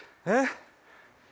えっ？